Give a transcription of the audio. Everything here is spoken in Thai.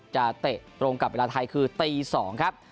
จะเตะตรงกันเวลาทีซองครับ